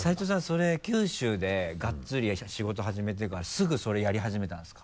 それ九州でガッツリ仕事始めてからすぐそれやり始めたんですか？